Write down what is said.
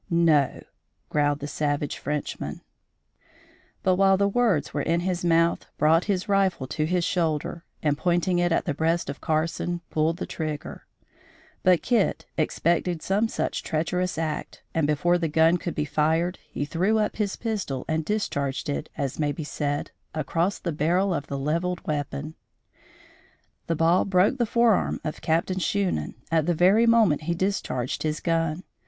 "No," growled the savage Frenchman; but, while the words were in his mouth, brought his rifle to his shoulder, and, pointing it at the breast of Carson, pulled the trigger; but Kit expected some such treacherous act, and, before the gun could be fired, he threw up his pistol and discharged it as may be said, across the barrel of the leveled weapon. The ball broke the forearm of Captain Shunan, at the very moment he discharged his gun.